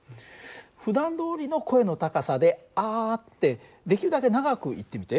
ふだんどおりの声の高さで「あ」ってできるだけ長く言ってみて。